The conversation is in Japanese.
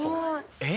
えっ？